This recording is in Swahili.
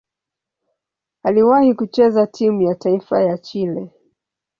Aliwahi kucheza timu ya taifa ya Chile.